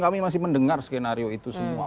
kami masih mendengar skenario itu semua